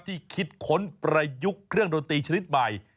ที่คิดค้นประยุกต์เครื่องดนตรีชนิดใหม่